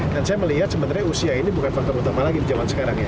dan saya melihat sebenarnya usia ini bukan faktor utama lagi di zaman sekarang ya